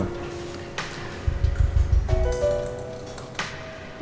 ada masalah apa